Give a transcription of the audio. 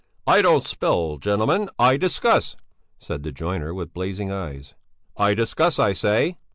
"I don't spell, gentlemen, I discuss," said the joiner with blazing eyes. "I discuss, I say.